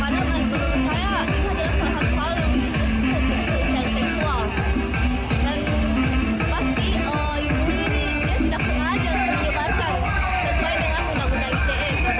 kalau itu hukum terseksual pasti ibu nuril tidak sengaja menyebarkan sesuai dengan undang undang ite